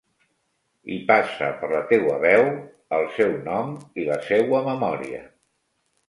I passe per la teua veu el seu nom i la seua memòria.